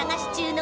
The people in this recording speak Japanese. の